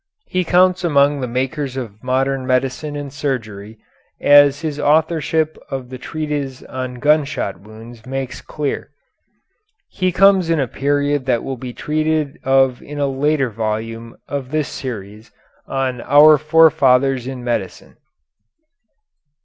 He counts among the makers of modern medicine and surgery, as his authorship of the treatise on gun shot wounds makes clear. He comes in a period that will be treated of in a later volume of this series on "Our Forefathers in Medicine."